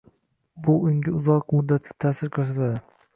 - bu unga uzoq muddatli ta'sir ko'rsatadi